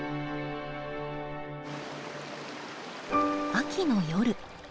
秋の夜。